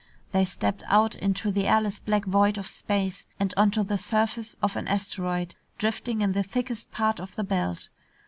They stepped out into the airless black void of space and onto the surface of an asteroid, drifting in the thickest part of the belt.